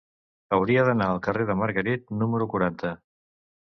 Hauria d'anar al carrer de Margarit número quaranta.